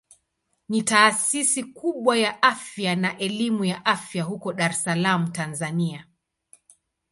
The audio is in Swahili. Ni taasisi kubwa ya afya na elimu ya afya huko Dar es Salaam Tanzania.